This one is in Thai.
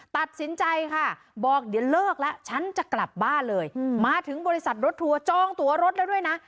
ตัดสินใจค่ะบอกเดี๋ยวเลิกแล้วฉันจะกลับบ้านเลยมาถึงบริษัทรถทัวร์จองตัวรถแล้วด้วยนะ